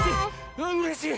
うれしい！